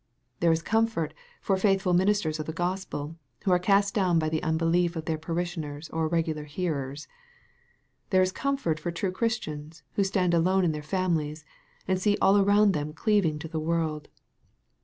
There is comfort for faithful ministers of the Gospel, who are cast down by the unbelief of their parishioners or regular hearers. There is comfort for true Christians who stand alone in their families, and see all around them cleaving to the world.